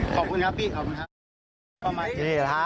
ขอบคุณครับพี่ขอบคุณครับ